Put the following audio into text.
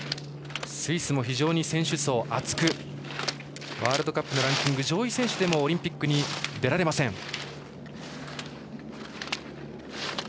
スイスも非常に選手層が厚くワールドカップのランキング上位選手でもオリンピックに出られません。